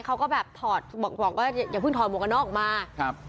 เขาก็แบบถอดบอกว่าอย่าพึ่งถอดหมวกนอกมาครับ